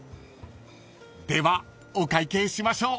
［ではお会計しましょう］